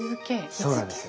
そうなんですよ。